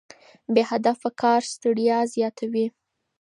بې هدفه کار ستړیا زیاتوي.